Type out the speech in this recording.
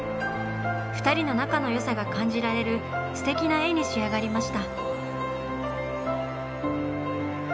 ２人の仲のよさが感じられるすてきな絵に仕上がりました。